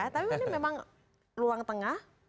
tapi ini memang ruang tengah